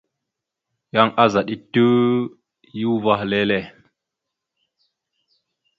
Yan azaɗ etew ya uvah lele.